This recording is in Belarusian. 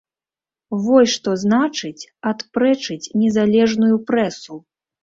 Во што значыць адпрэчыць незалежную прэсу!